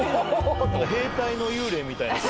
兵隊の幽霊みたいなさ。